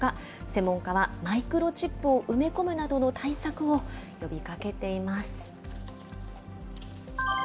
専門家はマイクロチップを埋め込むなどの対策を呼びかけています。